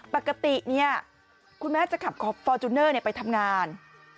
ปกติเนี่ยคุณแม่จะขับฟอร์จูเนอร์ไปทำงาน